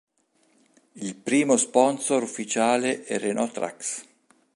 Il primo sponsor ufficiale è Renault Trucks.